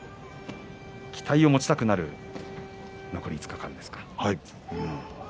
期待を持ちたくなる残り５日間です。